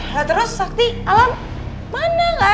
ya terus sakti alam mana gak ada